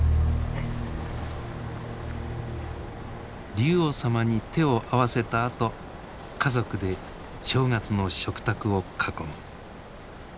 龍王様に手を合わせたあと家族で正月の食卓を囲む。